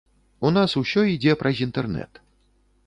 У нас усё ідзе праз інтэрнэт.